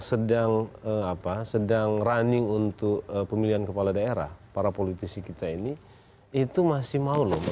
sedang apa sedang running untuk pemilihan kepala daerah para politisi kita ini itu masih mau loh